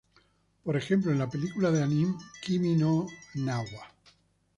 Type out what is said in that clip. Por ejemplo en la película de ánime Kimi no Na wa.